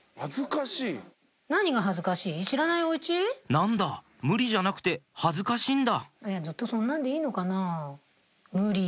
なんだ無理じゃなくて恥ずかしいんだ